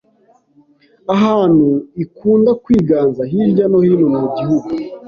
ahantu ikunda kwiganza hirya no hino mu gihugu.